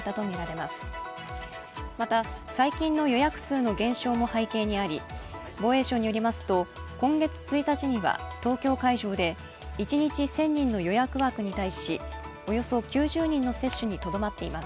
また最近の予約数の減少も背景にあり防衛省によりますと、今月１日には東京会場で一日１０００人の予約枠に対しおよそ９０人の接種にとどまっています。